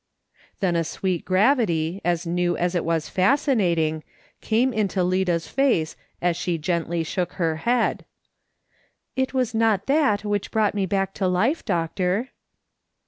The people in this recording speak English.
Then a sweet gravity, as new as it was fascinating, came into Lida's face as she gently shook her head: 224 ^f^S SOLOMON SMITH LOOKING ON. " It was not that which brought me back to life, doctor."